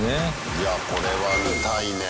いやこれは見たいねぇ。